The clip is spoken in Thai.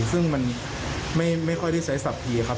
ซึ่งมันไม่ค่อยได้ใช้สัพพีครับ